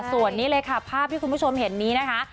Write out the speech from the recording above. ส่วนนี้เลยค่ะภาพที่คุณผู้ชมเห็นนี้นะคะ